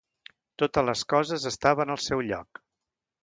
Totes les coses estaven al seu lloc.